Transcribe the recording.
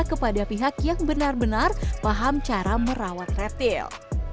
kepada pihak yang benar benar paham cara merawat reptil